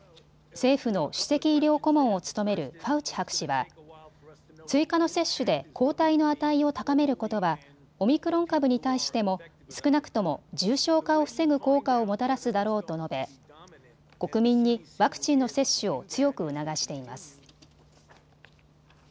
政府の首席医療顧問を務めるファウチ博士は追加の接種で抗体の値を高めることはオミクロン株に対しても少なくとも重症化を防ぐ効果をもたらすだろうと述べ、国民にワクチンの接種を強く促しています。